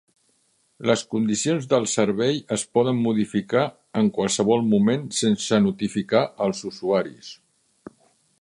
Les condicions del servei es poden modificar en qualsevol moment sense notificar els usuaris.